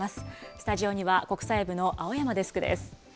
スタジオには国際部の青山デスクです。